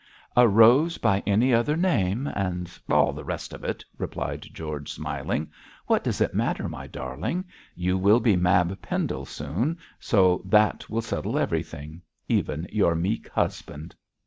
'A rose by any other name, and all the rest of it,' replied George, smiling. 'What does it matter, my darling? You will be Mab Pendle soon, so that will settle everything, even your meek husband.'